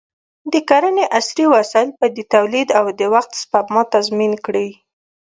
د کرنې عصري وسایل باید د تولید او د وخت سپما تضمین وکړي.